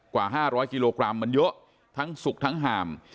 กว่า๕๐๐กิโลกรัมมันเยอะทั้งสุกทั้งห่าม